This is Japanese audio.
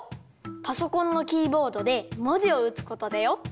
パソコンのキーボードでもじをうつことだよ。